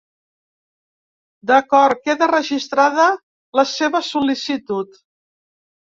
D'acord queda registrada la seva sol·licitud.